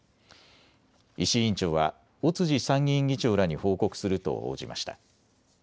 石井委員長は尾辻参議院議長らに報告すると応じました。